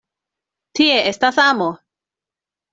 Tie estas amo!